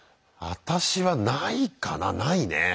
あたしはないかなないね。